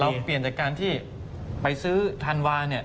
เปลี่ยนจากการที่ไปซื้อธันวาเนี่ย